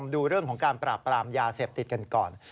ดูเรื่องของการปราบปรามยาเสพติดกันก่อน